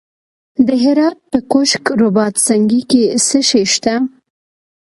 د هرات په کشک رباط سنګي کې څه شی شته؟